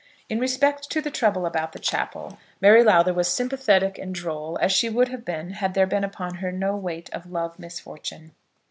In respect to the trouble about the chapel, Mary Lowther was sympathetic and droll, as she would have been had there been upon her the weight of no love misfortune.